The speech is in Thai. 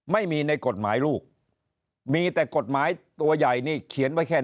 ไม่มีในกฎหมายลูกมีแต่กฎหมายตัวใหญ่นี่เขียนไว้แค่